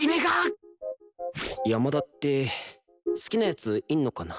山田って好きな奴いんのかな？